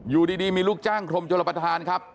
อยู่ดีมีลูกจ้างกรมชนประธานครับ